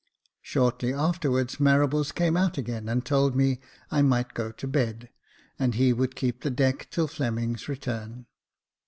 Shortly afterwards Marables came out again, and told me I might go to bed, and he would keep the deck till Fleming's return.